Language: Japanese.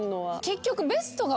結局。